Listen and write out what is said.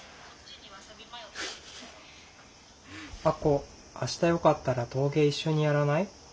「あこ明日よかったら陶芸一緒にやらない？